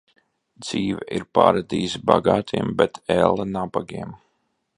Dzīve ir paradīze bagātiem, bet elle nabagiem.